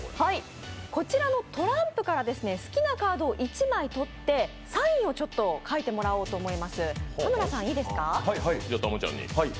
こちらのトランプから好きなカードを１枚取ってサインを書いてもらおうと思います、田村さんいいですか。